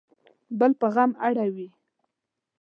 بل په غم اړوي